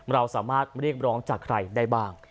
เราสามารถเรียกร้องจากใครได้บ้าง